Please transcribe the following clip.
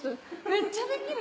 めっちゃできる。